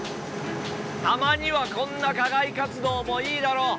たまにはこんな課外活動もいいだろう！